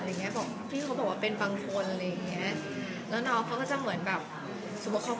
อเรนนี่กั้นใช่ค่ะก็จริงตั้งใจให้ที่บ้านบอกว่า